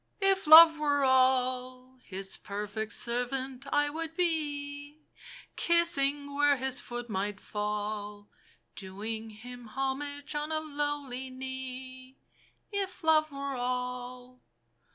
"If Love were all ! His perfect servant I would be, Kissing where his foot might fall, Doing him homage on a lowly knee, If Love were all